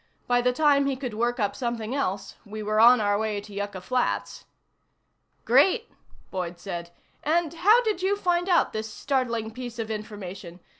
By the time he could work up something else, we were on our way to Yucca Flats." "Great," Boyd said. "And how did you find out this startling piece of information?